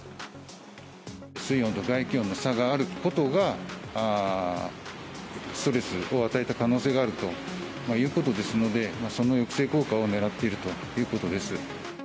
水温と外気温の差があることが、ストレスを与えた可能性があるということですので、その抑制効果をねらっているということです。